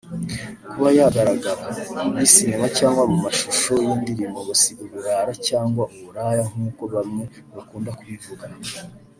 Kuba yagaragara muri cinema cyangwa mu mashusho y’indirimbo ngo si uburara cyangwa uburaya nkuko bamwe bakunda kubivuga